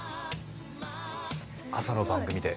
朝の番組で。